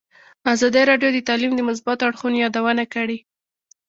ازادي راډیو د تعلیم د مثبتو اړخونو یادونه کړې.